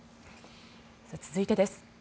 続いてです。